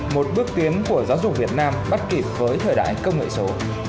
một bước tiến của giáo dục việt nam bắt kịp với thời đại công nghệ số